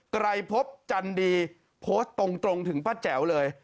ไกรพบจันดีโพสต์ตรงถึงป้าแจ๋วเลย